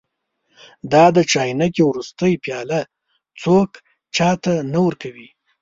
دا د چاینکې وروستۍ پیاله څوک چا ته نه ورکوي.